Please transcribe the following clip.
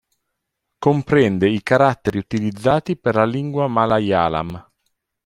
Comprende i caratteri utilizzati per la lingua malayalam.